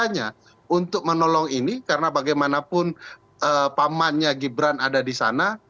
hanya untuk menolong ini karena bagaimanapun pamannya gibran ada di sana